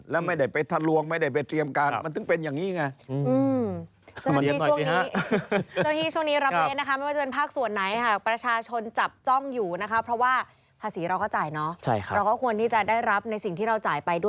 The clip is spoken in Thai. แล้วไม่ได้ไปทะลวงไม่ได้ไปเตรียมการมันถึงเป็นอย่างนี้ไง